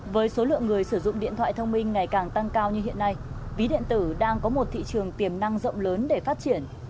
với số lượng người sử dụng điện thoại thông minh ngày càng tăng cao như hiện nay ví điện tử đang có một thị trường tiềm năng rộng lớn để phát triển